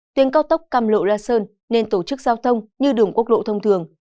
tuyến cao tốc cam lộ ra sơn nên tổ chức giao thông như đường quốc lộ thông thường